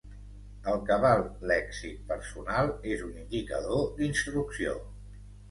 El cabal lèxic personal és un indicador d'instrucció.